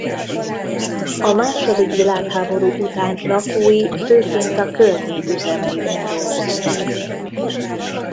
A második világháború után lakói főként a környék üzemeiben dolgoztak.